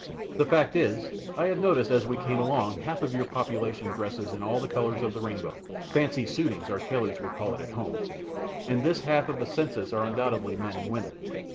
The fact is, I have noticed as we came along half your population dresses in all the colours of the rainbow 'fancy suitings' our tailors could call it at home and this half of the census are undoubtedly men and women.